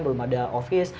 belum ada ofis